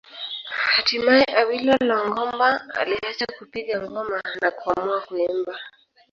Hatimaye Awilo Longomba aliacha kupiga ngoma na kuamua kuimba